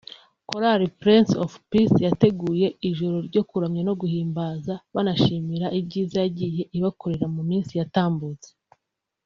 Korali Prince of Peace yateguye ijoro ryo kuramya no guhimbaza banayishimira ibyiza yagiye ibakorera mu minsi yatambutse